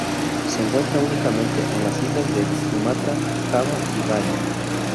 Se encuentra únicamente en las islas de Sumatra, Java y Bali.